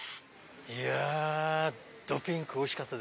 いやどピンクおいしかった。